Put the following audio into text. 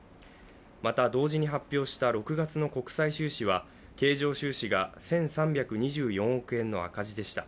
また、同時に発表した６月の国際収支は経常収支が１３２４億円の赤字でした。